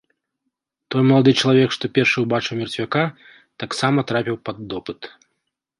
Той малады чалавек, што першы ўбачыў мерцвяка, таксама трапіў пад допыт.